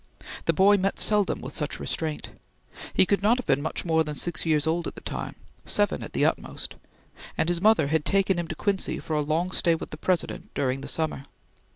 The boy met seldom with such restraint. He could not have been much more than six years old at the time seven at the utmost and his mother had taken him to Quincy for a long stay with the President during the summer.